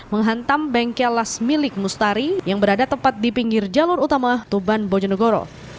menghantam bengkel las milik mustari yang berada tepat di pinggir jalur utama tuban bojonegoro